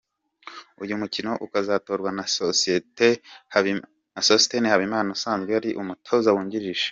Uyu mukino ukazatorwa na Sostene Habimana usanzwe ari umutoza wungirije.